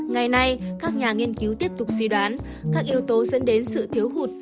ngày nay các nhà nghiên cứu tiếp tục suy đoán các yếu tố dẫn đến sự thiếu hụt